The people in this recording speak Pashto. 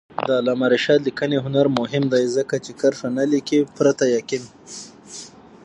د علامه رشاد لیکنی هنر مهم دی ځکه چې کرښه نه لیکي پرته یقین.